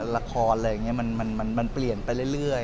ละครอะไรอย่างนี้มันเปลี่ยนไปเรื่อย